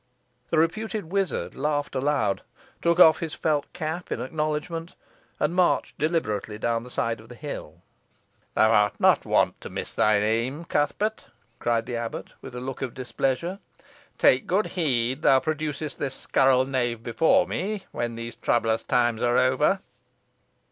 The reputed wizard laughed aloud, took off his felt cap in acknowledgment, and marched deliberately down the side of the hill. "Thou art not wont to miss thy aim, Cuthbert," cried the abbot, with a look of displeasure. "Take good heed thou producest this scurril knave before me, when these troublous times are over.